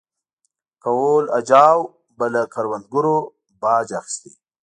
کهول اجاو به له کروندګرو باج اخیسته